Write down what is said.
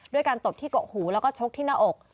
ด้วยการตบที่กกหูแล้วก็ชกที่หน้าอก